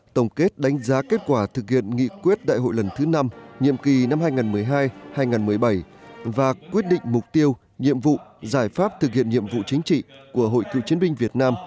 tổng kết đánh giá kết quả thực hiện nghị quyết đại hội lần thứ năm nhiệm kỳ năm hai nghìn một mươi hai hai nghìn một mươi bảy và quyết định mục tiêu nhiệm vụ giải pháp thực hiện nhiệm vụ chính trị của hội cựu chiến binh việt nam